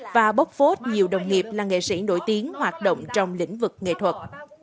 và bốc phốt nhiều đồng nghiệp là nghệ sĩ nổi tiếng hoạt động trong lĩnh vực nghệ thuật